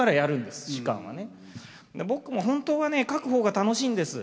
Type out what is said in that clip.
僕も本当はね書く方が楽しいんです。